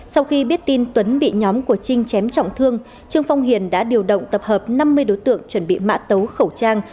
sau khi biết tin tuấn bị nhóm của trinh chém trọng thương trương phong hiền đã điều động tập hợp năm mươi đối tượng chuẩn bị mã tấu khẩu trang